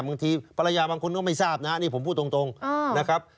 บางทีภรรยาบางคนก็ไม่ทราบนะฮะนี่ผมพูดตรงนะครับ